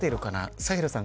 サヘルさん